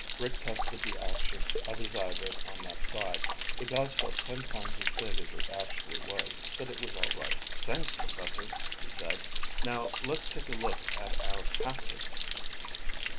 Rick tested the action of his eyelid on that side. The gauze felt ten times as big as it actually was, but it was all right. "Thanks, professor," he said. "Now, let's take a look at our captive."